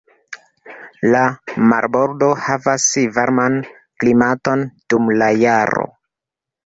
La marbordo havas varman klimaton, dum la jaro.